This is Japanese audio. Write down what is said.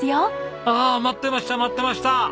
あ待ってました待ってました！